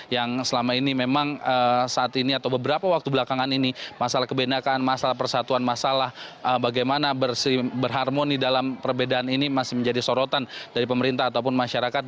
yang selama ini memang saat ini atau beberapa waktu belakangan ini masalah kebenakan masalah persatuan masalah bagaimana berharmoni dalam perbedaan ini masih menjadi sorotan dari pemerintah ataupun masyarakat